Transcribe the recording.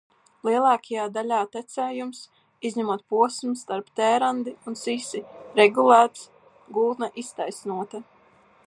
Lielākajā daļā tecējums, izņemot posmu starp Tērandi un Sisi, regulēts, gultne iztaisnota.